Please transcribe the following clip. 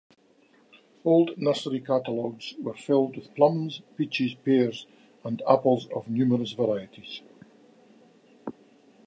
Old nursery catalogues were filled with plums, peaches, pears and apples of numerous varieties.